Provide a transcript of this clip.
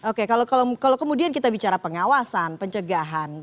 oke kalau kemudian kita bicara pengawasan pencegahan